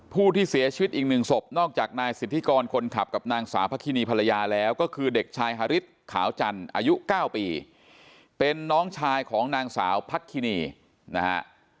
ผู้ที่เสียชีวิตอีกหนึ่งศพนอกจากนายสิทธิกรคนขับกับนางสาวพระคินีภรรยาแล้วก็คือเด็กชายฮาริสขาวจันทร์อายุ๙ปีเป็นน้องชายของนางสาวพักคินีนะฮะ